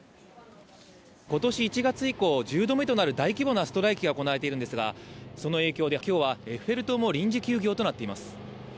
今年１月以降、１０度目となる大規模なストライキが行われてるんですが、その影響で今日はエッフェル塔も臨時休業となっています。